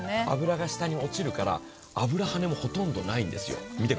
脂が下に落ちるから脂はねもほとんどないんですよ。